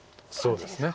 そうですね。